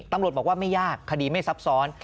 ตำรวจบอกว่าไม่ยากคดีไม่ซับซ้อน